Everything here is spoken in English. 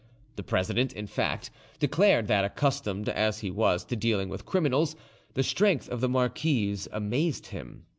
The president, in fact, declared that, accustomed as he was to dealing with criminals, the strength of the marquise amazed him.